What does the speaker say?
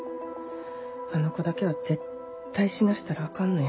あの子だけは絶対死なせたらあかんのや。